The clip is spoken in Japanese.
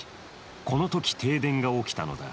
このとき停電が起きたのだ。